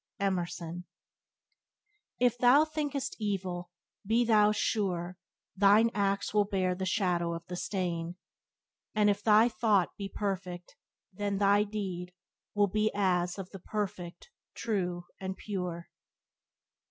—Emerson. "If thou thinkest evil, be thou sure Thine acts will bear the shadow of the stain; And if they thought be perfect, then thy deed Will be as of the perfect, true, and pure."